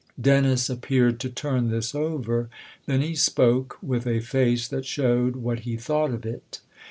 Dennis appeared to turn this over ; then he spoke with a face that showed what he thought of it.